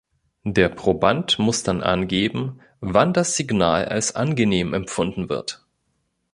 Der Proband muss dann angeben, wann das Signal als angenehm empfunden wird.